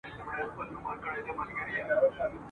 ما، پنځه اویا کلن بوډا !.